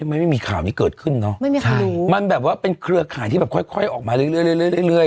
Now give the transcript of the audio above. มันไม่มีข่าวนี้เกิดขึ้นเนอะไม่มีใครรู้มันแบบว่าเป็นเครือข่ายที่แบบค่อยค่อยออกมาเรื่อยเรื่อย